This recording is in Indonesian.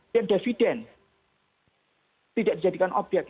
dan dividen tidak dijadikan objek